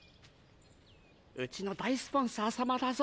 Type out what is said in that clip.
うちの大スポンサー様だぞ。